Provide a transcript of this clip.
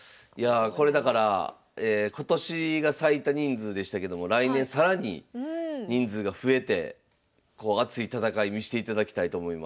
これだから今年が最多人数でしたけども来年更に人数が増えて熱い戦い見していただきたいと思います。